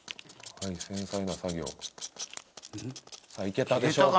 いけたでしょうか？